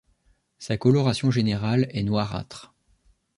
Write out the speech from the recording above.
Sa coloration générale est noirâtre.